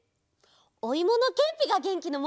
おいものけんぴがげんきのもと！